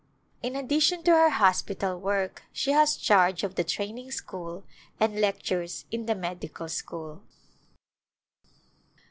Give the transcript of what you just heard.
In addition to her hospital work she has charge of the Training School, and lec tures in the Medical School.